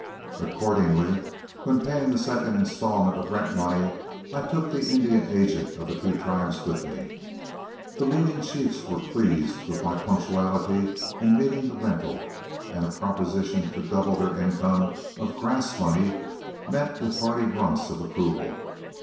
Accordingly, when paying the second installment of rent money, I took the Indian agent of the two tribes with me. The leading chiefs were pleased with my punctuality in meeting the rental, and a proposition to double their income of "grass" money met with hearty grunts of approval.